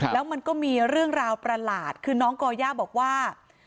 แล้วมันก็มีเรื่องราวประหลาดคือน้องก่อย่าบอกว่า